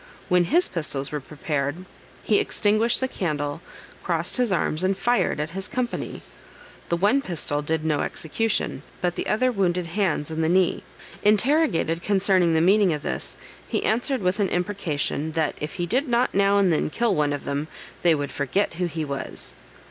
When his pistols were prepared, he extinguished the candle, crossed his arms, and fired at his company. The one pistol did no execution, but the other wounded Hands in the knee. Interrogated concerning the meaning of this, he answered with an imprecation, "That if he did not now and then kill one of them, they would forget who he was."